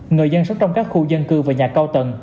người dân sống trong các khu dân cư và nhà cao tầng